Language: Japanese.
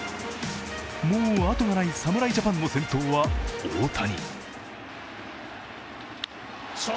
もうあとがない侍ジャパンの先頭は大谷。